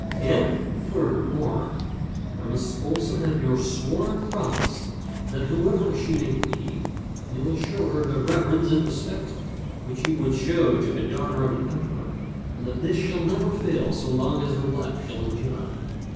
And, furthermore, I must also have your sworn pro mise that, whoever she may be, you will show her the reverence and respect which you would show to the daughter of an emperor, and that this shall never fail so long as her life shall endure."